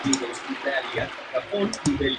Lundin es conocido por no usar zapatos.